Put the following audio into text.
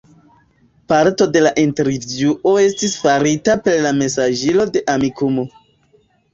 Parto de la intervjuo estis farita per la mesaĝilo de Amikumu.